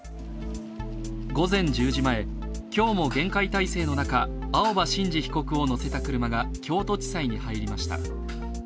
午前１０時前、今日も厳戒態勢の中青葉真司被告を乗せた車が京都地裁に入りました。